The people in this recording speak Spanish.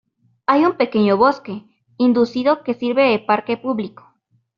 Hay un pequeño bosque inducido que sirve de parque público.